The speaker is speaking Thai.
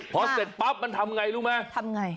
พอเสร็จปั๊บมันทำไงรู้ไหมทำไง